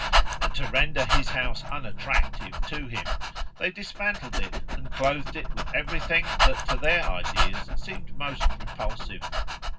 And to render his house unattractive to him they dismantled it and clothed it with everything that to their ideas seemed most repulsive.